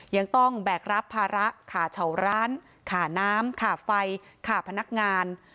ยังต้องแบกรับภาระขาเฉาร้านขาน้ำค่าไฟค่าพนักงาน